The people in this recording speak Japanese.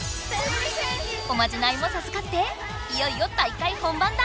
おまじないもさずかっていよいよ大会本番だ！